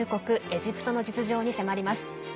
エジプトの実情に迫ります。